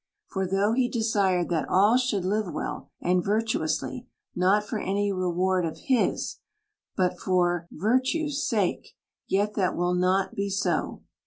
For though he desire that all should live well and virtu ously, not for any reward of his, but for virtue's sake : yet that will not be so.